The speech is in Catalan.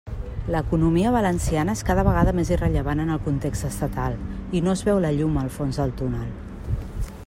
L'economia valenciana és cada vegada més irrellevant en el context estatal, i no es veu la llum al fons del túnel.